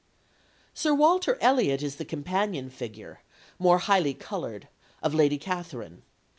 Sir Walter Elliot is the companion figure, more highly coloured, of Lady Catherine.